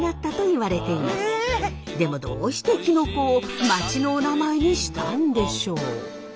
でもどうしてきのこを町のお名前にしたんでしょう？